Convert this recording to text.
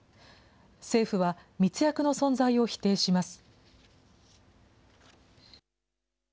政府は密約の存在を否定します。